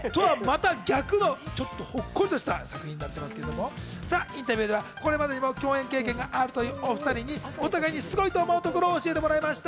逆のほっこりとした作品なんですけれどもインタビューではこれまでにも共演経験があるというお２人にお互いにすごいと思うところを教えてもらいました。